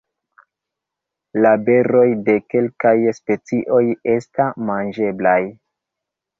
La beroj de kelkaj specioj esta manĝeblaj.